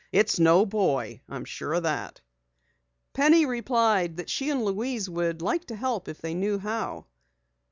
It's no boy. I'm sure of that." Penny replied that she and Louise would like to help if they knew how.